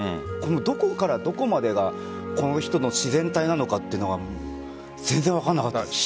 どこからどこまでがこの人の自然体なのかというのが全然分からなかったです。